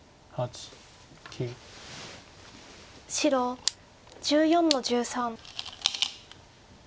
白１４の十三。